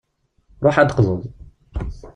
Ruḥ ad d-teqḍuḍ.